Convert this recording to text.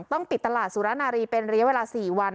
ต้องปิดตลาดสุรนารีเป็นระยะเวลา๔วัน